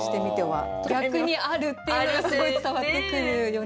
逆にあるっていうのがすごい伝わってくるようになりますね。